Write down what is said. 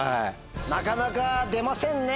なかなか出ませんね。